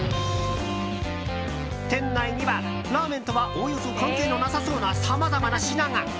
店内にはラーメンとはおおよそ関係のなさそうなさまざまな品が。